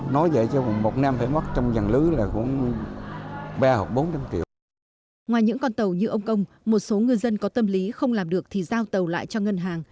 ngoài những con tàu như ông công một số ngư dân có tâm lý không làm được thì giao tàu lại cho ngân hàng